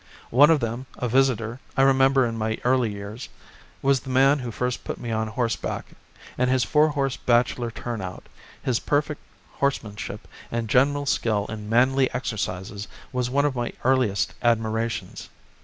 One of them, a visitor I remember in my early years, was the man who first put me on horseback, and his four horse bachelor turnout, his perfect horsemanship and general skill in manly exercises was one of my earliest admirations.